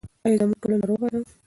آیا زموږ ټولنه روغه ده؟